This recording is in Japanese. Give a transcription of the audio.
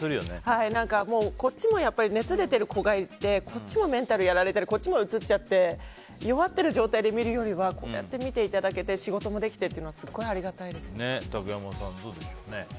こっちも熱出てる子がいてこっちもメンタルやられてるこっちもうつっちゃって弱っている状態で見るよりはこうやって、見ていただいて仕事もできてっていうのはすごいありがたいです。